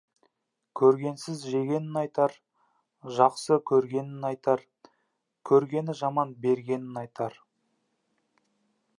Көргенсіз жегенін айтар, жақсы көргенін айтар, көргені жаман бергенін айтар.